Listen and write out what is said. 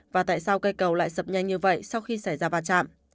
và tại sao cây cầu lại sập nhanh như vậy sau khi xảy ra va chạm